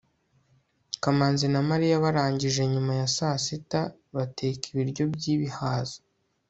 kamanzi na mariya barangije nyuma ya saa sita bateka ibiryo by'ibihaza